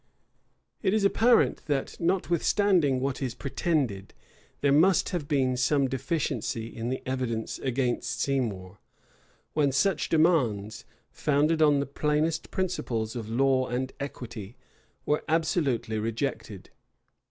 * Buruet, Tol. ii. coll. 31. 2 and 3 Edward VI. c. 18. It is apparent that, notwithstanding what is pretended, there must have been some deficiency in the evidence against Seymour, when such demands, founded on the plainest principles of law and equity, were absolutely rejected.